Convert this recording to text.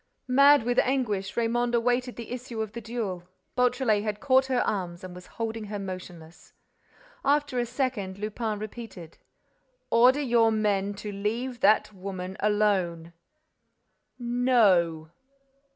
Mad with anguish, Raymonde awaited the issue of the duel. Beautrelet had caught her arms and was holding her motionless. After a second, Lupin repeated: "Order your men to leave that woman alone." "No."